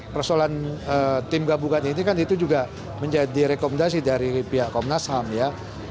persoalan tim gabungan ini kan itu juga menjadi rekomendasi dari pihak komnas ham ya